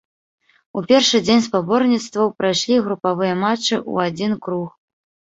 У першы дзень спаборніцтваў прайшлі групавыя матчы ў адзін круг.